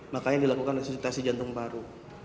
makanya dilakukan resusitasi jantung paru